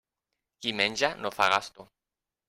Qui menja, no fa gasto.